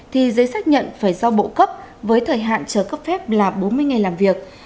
thì giấy xác nhận phải do bộ cấp với thời hạn chờ cấp phép là bốn mươi ngày làm việc